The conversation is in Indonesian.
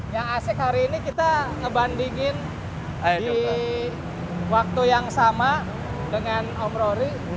yang asik hari ini kita ngebandingin di waktu yang sama dengan om rory